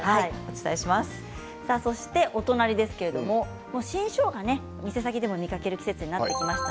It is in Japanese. お隣ですけれど新しょうが、店先でも見かける季節になってきました。